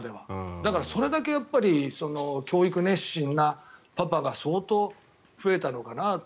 だから、それだけ教育熱心なパパが相当、増えたのかなと。